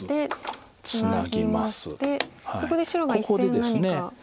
ここでです。